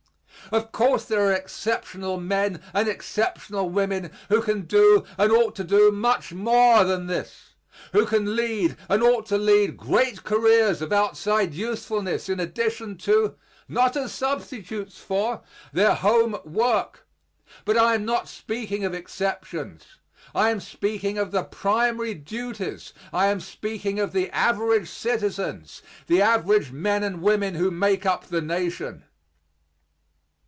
Of course there are exceptional men and exceptional women who can do and ought to do much more than this, who can lead and ought to lead great careers of outside usefulness in addition to not as substitutes for their home work; but I am not speaking of exceptions; I am speaking of the primary duties, I am speaking of the average citizens, the average men and women who make up the nation.